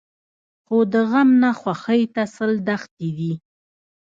خو د غم نه خوښۍ ته سل دښتې دي.